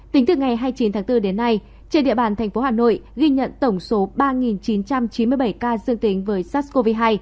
tính từ ngày hai mươi chín tháng bốn đến nay trên địa bàn thành phố hà nội ghi nhận tổng số ba chín trăm chín mươi bảy ca dương tính với sars cov hai